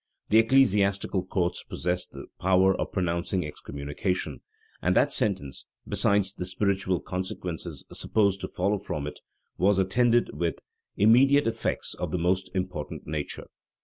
The ecclesiastical courts possessed the power of pronouncing excommunication; and that sentence, besides the spiritual consequences supposed to follow from it, was attended with immediate effects of the most important nature.